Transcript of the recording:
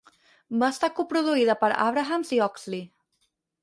Va estar coproduïda per Abrahams i Oxley.